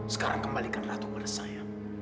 sekarang kembalikan ratu kepada saya